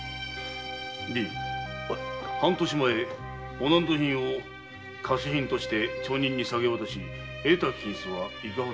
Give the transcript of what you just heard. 半年前御納戸品を下賜品として町人に下げ渡し得た金子はいかほどであった。